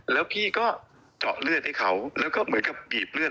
แล้วพี่ก็เจาะเลือดให้เขาแล้วก็เหมือนกับบีบเลือด